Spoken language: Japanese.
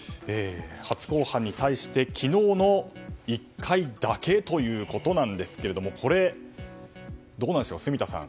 初公判に対して、昨日の１回だけということなんですがこれ、どうなんでしょう住田さん。